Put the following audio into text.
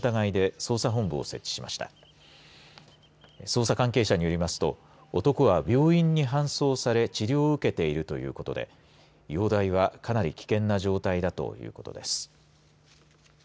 捜査関係者によりますと男は病院に搬送され治療を受けているということで容体はかなり危険な状態だということです。